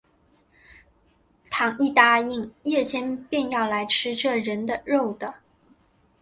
倘一答应，夜间便要来吃这人的肉的